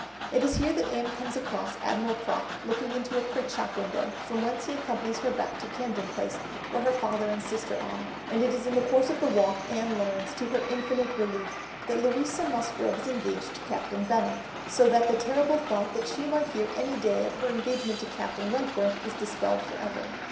It is here that Anne comes across Admiral Croft looking into a print shop window, from whence he accompanies her back to Camden Place where her father and sister are, and in the course of the walk Anne learns, to her infinite relief, that Louisa Musgrove is engaged to Captain Benwick, so that the terrible thought that she might hear any day of her engagement to Captain Wentworth is dispelled for ever.